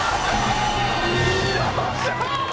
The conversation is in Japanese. よっしゃ！